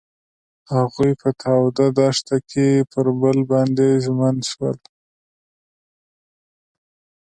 هغوی په تاوده دښته کې پر بل باندې ژمن شول.